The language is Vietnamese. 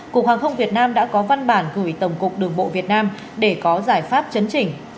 cục hàng không việt nam đã có văn bản gửi tổng cục đường bộ việt nam để có giải pháp chấn chỉnh